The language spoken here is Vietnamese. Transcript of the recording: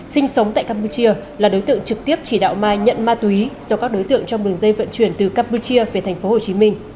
sinh sống tại campuchia là đối tượng trực tiếp chỉ đạo mai nhận ma túy do các đối tượng trong đường dây vận chuyển từ campuchia về tp hcm